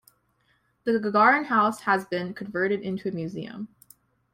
The Gagarin house has been converted into a museum.